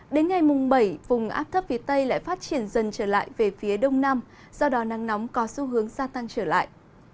đến ngày mùng bảy vùng áp thấp phía tây lại phát triển dần trở lại về phía đông nam do đó nắng nóng có xu hướng gia tăng trở lại